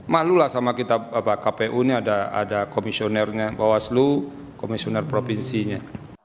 malu lah sama kita kpu ini ada komisionernya bawaslu komisioner provinsinya